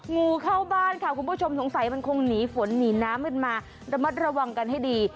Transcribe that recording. งูเข้าบ้านค่ะคุณผู้ชมสงสัยมันคงหนีฝนหนีน้ำกันมาระมัดระวังกันให้ดี